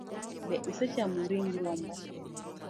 Be isechamo ring rombo?